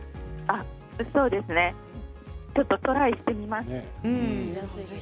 そうですねちょっとトライしてみます。